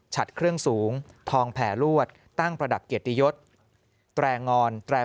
เครื่องสูงทองแผลลวดตั้งประดับเกียรติยศแตรงอนแตร